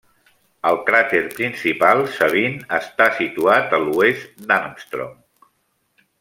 El cràter principal Sabine està situat a l'oest d'Armstrong.